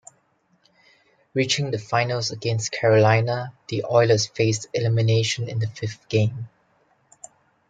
Reaching the finals against Carolina, the Oilers faced elimination in the fifth game.